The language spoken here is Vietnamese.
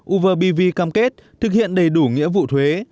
uber bv cam kết thực hiện đầy đủ nghĩa vụ thuế